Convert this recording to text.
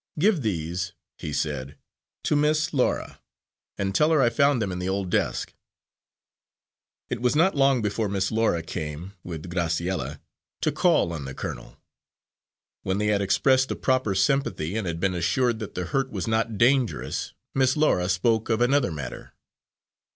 "Give these," he said, "to Miss Laura, and tell her I found them in the old desk." It was not long before Miss Laura came, with Graciella, to call on the colonel. When they had expressed the proper sympathy, and had been assured that the hurt was not dangerous, Miss Laura spoke of another matter.